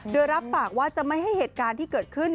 โดยรับปากว่าจะไม่ให้เหตุการณ์ที่เกิดขึ้น